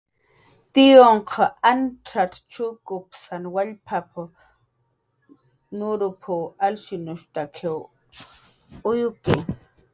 "Tiyunh ancxacx chukpasan wallp"" nurup"" alshinushp""taki uyuki."